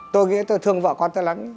tôi nghĩ tôi thương vợ con tôi lắm